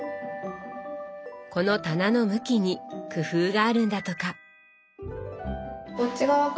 この「棚の向き」に工夫があるんだとか。